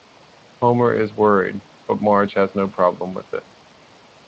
Homer is worried, but Marge has no problem with it.